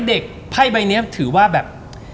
ไพ่ใบนี้ถือว่าแบบ